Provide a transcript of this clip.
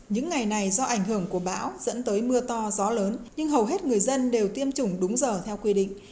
những ngày này do ảnh hưởng của bão dẫn tới mưa to gió lớn nhưng hầu hết người dân đều tiêm chủng đúng giờ theo quy định